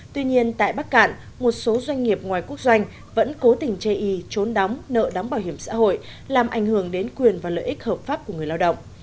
tuy nhiên tại bắc cạn một số doanh nghiệp ngoài quốc doanh vẫn cố tình chê y trốn đóng nợ đóng bảo hiểm xã hội làm ảnh hưởng đến quyền và lợi ích hợp pháp của người lao động